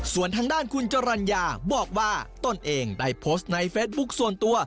ส่วนทางด้านคุณจรรยาบอกว่าตนเองได้โพสต์ในเฟซบุ๊คส่วนตัว